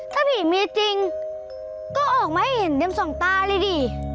ถ้าผีเมียจริงก็ออกมาให้เห็นเต็มสองตาเลยดิ